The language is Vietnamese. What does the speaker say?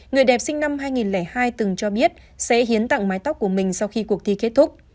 người đẹp sinh năm hai nghìn hai từng cho biết sẽ hiến tặng mái tóc của mình sau khi cuộc thi kết thúc